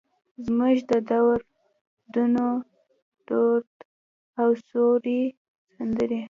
زموږ د دور دونو ، ددرد او سوي سندرې